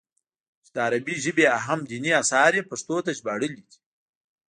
چې د عربي ژبې اهم ديني اثار ئې پښتو ته ژباړلي دي